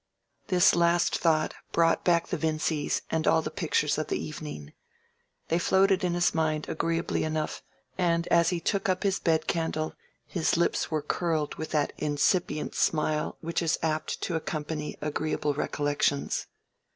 This last thought brought back the Vincys and all the pictures of the evening. They floated in his mind agreeably enough, and as he took up his bed candle his lips were curled with that incipient smile which is apt to accompany agreeable recollections.